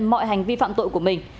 mọi hành vi phạm tội của mình